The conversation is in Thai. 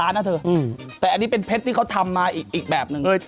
อันนี้เป็นเพชรที่เขาทำมาอีกแบบหนึ่ง